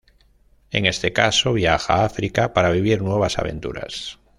En este caso viaja a África para vivir nuevas aventuras.